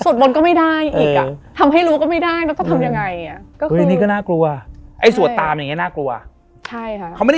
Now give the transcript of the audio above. ส่วนบนก็ไม่ได้อีกอ่ะทำให้รู้ก็ไม่ได้แล้วจะทำยังไงอ่ะ